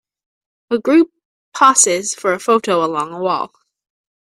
A group posses for a photo along a wall.